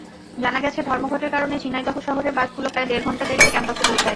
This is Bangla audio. জানা গেছে, ধর্মঘটের কারণে ঝিনাইদহ শহরের বাসগুলো প্রায় দেড় ঘণ্টা দেরিতে ক্যাম্পাসে পৌঁছায়।